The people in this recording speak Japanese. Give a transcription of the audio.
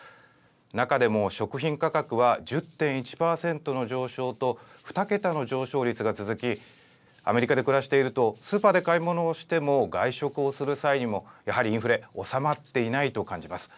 中でも食品価格は１０．１％の上昇と、２桁の上昇率が続き、アメリカで暮らしていると、スーパーで買い物をしても、外食をする際にも、やはりインフレ、収まっていないと感じます。